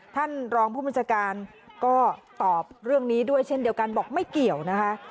ท่านรองผู้บัญชาการก็ตอบเรื่องนี้ด้วยเช่นเดียวกันบอกไม่เกี่ยวนะคะ